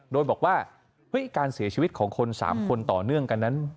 โดยบอกว่าการเสียชีวิตของคน๓คนต่อเนื่องกันนั้น